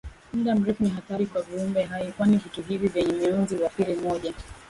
muda mrefu Ni hatari kwa viumbe hai kwani vitu hivi vyenye mionzi huathiri moja